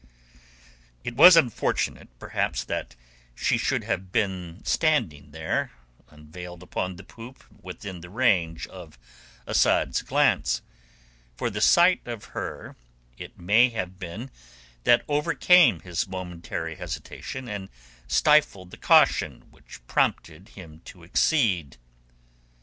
It was unfortunate perhaps that she should have been standing there unveiled upon the poop within the range of Asad's glance; for the sight of her it may have been that overcame his momentary hesitation and stifled the caution which prompted him to accede.